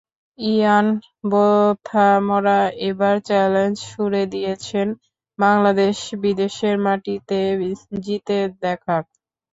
ইয়ান বোথামরা এবার চ্যালেঞ্জ ছুড়ে দিয়েছেন, বাংলাদেশ বিদেশের মাটিতে জিতে দেখাক।